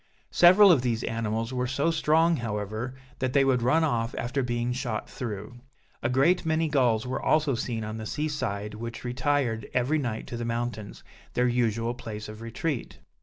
Several of these animals were so strong, however, that they would run off after being shot through. A great many gulls were also seen on the sea side which retired every night to the mountains, their usual place of retreat.